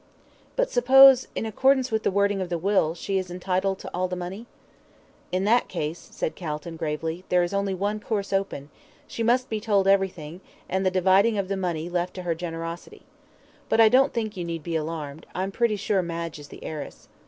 "But suppose, in accordance with the wording of the will, she is entitled to all the money?" "In that case," said Calton, gravely, "there is only one course open she must be told everything, and the dividing of the money left to her generosity. But I don't think you need be alarmed, I'm pretty sure Madge is the heiress."